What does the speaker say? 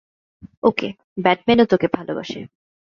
ওকে, ব্যাটম্যানও তোকে ভালোবাসে।